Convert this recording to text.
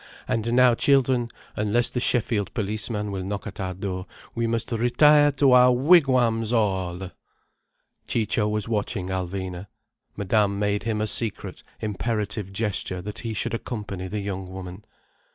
"And now, children, unless the Sheffield policeman will knock at our door, we must retire to our wigwams all—" Ciccio was watching Alvina. Madame made him a secret, imperative gesture that he should accompany the young woman.